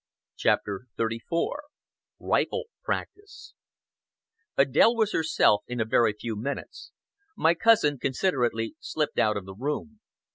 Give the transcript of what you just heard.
CHAPTER XXXIV RIFLE PRACTICE Adèle was herself in a very few minutes. My cousin considerately slipped out of the room.